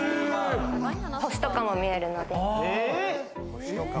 星とかも見えるので。